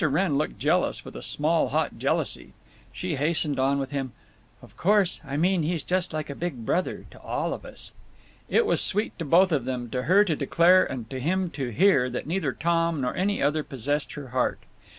Wrenn looked jealous, with a small hot jealousy. She hastened on with: "Of course, I mean he's just like a big brother. To all of us." It was sweet to both of them, to her to declare and to him to hear, that neither Tom nor any other possessed her heart.